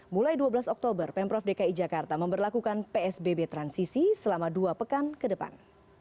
mulai dua belas oktober pemprov dki jakarta memperlakukan psbb transisi selama dua pekan ke depan